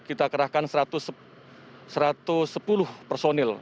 kita kerahkan satu ratus sepuluh personil